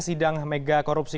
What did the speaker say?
sidang mega korupsi ktp